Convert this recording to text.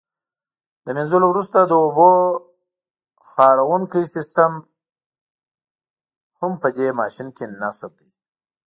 له منځلو وروسته د اوبو خاروونکی سیسټم هم په دې ماشین کې نصب دی.